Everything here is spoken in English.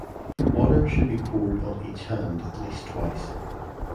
Water should be poured on each hand at least twice.